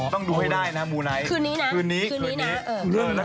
ต้องดูให้ได้นะมูไนท์คืนนี้คืนนี้